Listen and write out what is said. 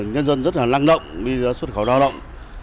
nhân dân rất là lăng động đi xuất khẩu lao động